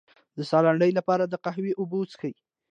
د ساه لنډۍ لپاره د قهوې اوبه وڅښئ